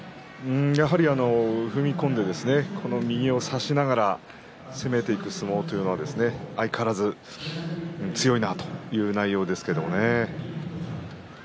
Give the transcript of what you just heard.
やはり踏み込んで右を差しながら攻めていく相撲というのは相変わらず強いなという内容ですけれどもね。